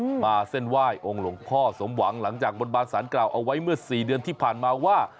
มาเส้นไหว้องค์หลวงพ่อสมหวังหลังจากบนบานสารกล่าวเอาไว้เมื่อสี่เดือนที่ผ่านมาว่า